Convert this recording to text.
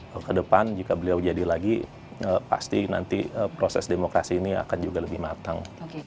bahwa ke depan jika beliau jadi lagi pasti nanti proses demokrasi ini akan juga lebih matang